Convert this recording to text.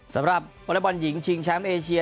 สำหรับบริบันหญิงชิงแชมป์เอเชีย